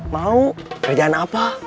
mau kerjaan apa